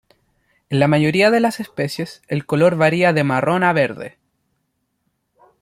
En la mayoría de las especies el color varía de marrón a verde.